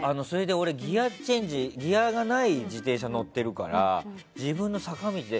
俺、ギヤがない自転車に乗っているから坂道で。